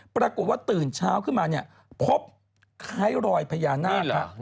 ปรากฏว่าตื่นเช้าขึ้นมาเนี่ยพบคล้ายรอยพญานาคค่ะนี่เหรอนี่เหรอ